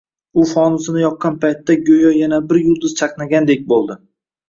U fonusini yoqqan paytda go‘yo yana bir yulduz chaqnagandek